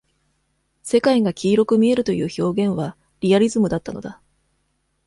世界が黄色く見えるという表現は、リアリズムだったのだ。